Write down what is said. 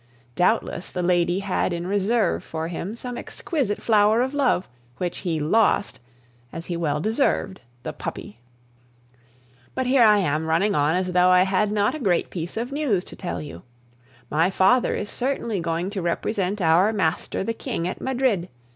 Doubtless the lady had in reserve for him some exquisite flower of love, which he lost, as he well deserved the puppy! But here am I running on as though I had not a great piece of news to tell you. My father is certainly going to represent our master the King at Madrid.